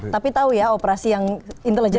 tapi tahu ya operasi yang intelijen